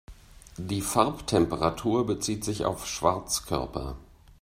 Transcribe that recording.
Die Farbtemperatur bezieht sich auf Schwarzkörper.